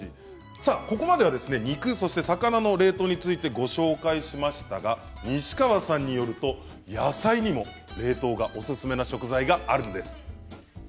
さあここまではですね肉そして魚の冷凍についてご紹介しましたが西川さんによると野菜にも冷凍がオススメな食材があるんです。